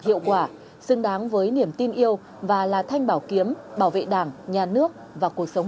hiệu quả xứng đáng với niềm tin yêu và là thanh bảo kiếm bảo vệ đảng nhà nước và cuộc sống